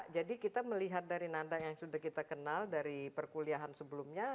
jadi kita melihat dari nada yang sudah kita kenal dari perkuliahan sebelumnya